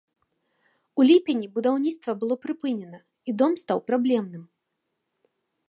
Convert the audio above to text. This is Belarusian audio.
У ліпені будаўніцтва было прыпынена, і дом стаў праблемным.